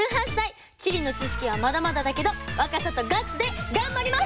地理の知識はまだまだだけど若さとガッツで頑張ります！